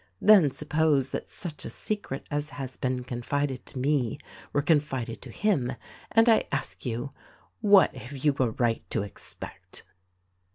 Then suppose that such a secret as has been confided to me were confided to him and I ask you — what have you a right to expect?"